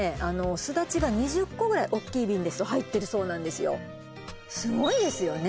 すだちが２０個ぐらいおっきい瓶ですと入ってるそうなんですよすごいですよね